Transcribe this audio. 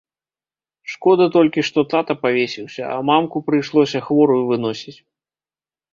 Шкода толькі, што тата павесіўся, а мамку прыйшлося хворую выносіць.